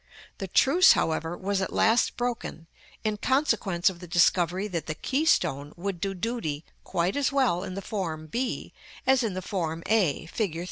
The truce, however, was at last broken, in consequence of the discovery that the keystone would do duty quite as well in the form b as in the form a, Fig.